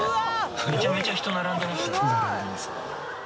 めちゃめちゃ人並んでますね。